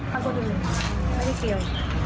ถ้าคนอื่นไม่ได้เกี่ยว